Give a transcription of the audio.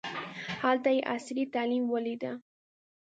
هلته یې عصري تعلیم ولیده.